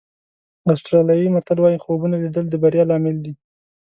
آسټرالیایي متل وایي خوبونه لیدل د بریا لامل دي.